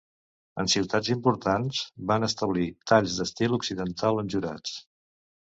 En ciutats importants, van establir talls d'estil occidental amb jurats.